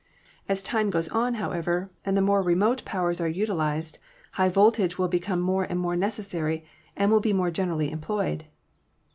As time goes on, however, and the more remote powers are utilized, high voltage will become more and more necessary, and will be more generally employed.